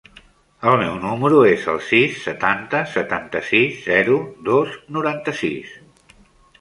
El meu número es el sis, setanta, setanta-sis, zero, dos, noranta-sis.